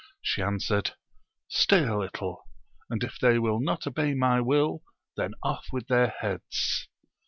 She answered, Stay a little, and if they will not obey my will, then ofif with their heads.